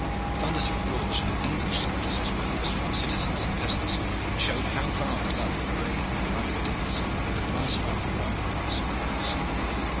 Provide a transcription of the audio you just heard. Thunders of applause from the English soldiers, as well as from the citizens and peasants, showed how far the love of brave and knightly deeds could rise above the rivalries of race.